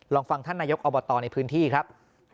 ลองฟังท่านนายกอบตในพื้นที่ครับ